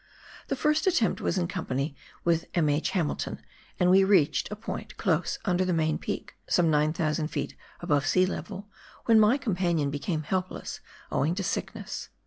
The first attempt was in company with H. M. Hamilton, and we reached a point close under the main peak, some 9,000 ft. above sea level, when my companion became helpless, owing to sickness.